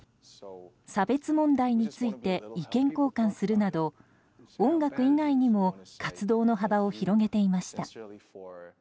差別問題について意見交換するなど音楽以外にも活動の幅を広げていました。